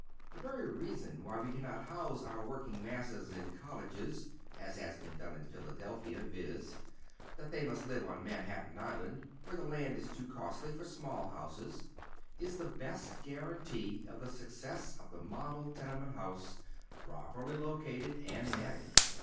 The very reason why we cannot house our working masses in cottages, as has been done in Philadelphia — viz., that they iimst live on Manhattan Island, where the land is too costly for small houses — is the best guarantee of the success of the model tenement house, properly located and managed.